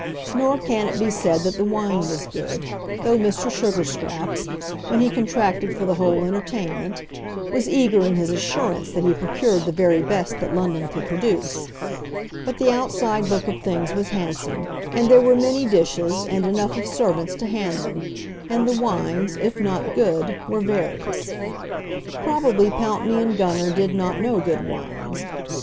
Nor can it be said that the wine was good, though Mr. Sugarscraps, when he contracted for the whole entertainment, was eager in his assurance that he procured the very best that London could produce. But the outside look of things was handsome, and there were many dishes, and enough of servants to hand them, and the wines, if not good, were various. Probably Pountney and Gunner did not know good wines.